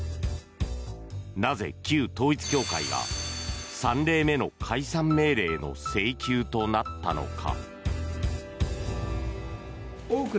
なぜ旧統一教会が３例目の解散命令の請求となったのか。